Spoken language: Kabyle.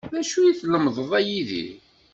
D acu i tlemdeḍ a Yidir?